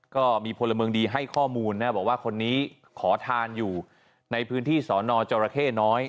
ก็มีพลเมืองดีให้ข้อมูลนะบอกว่าคนนี้ขอทานอยู่ในพื้นที่สอนอจรเข้น้อย